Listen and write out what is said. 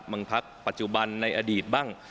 เมืองปัจจุบันในอดีตบ้าง